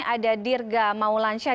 ada dirga maulansyah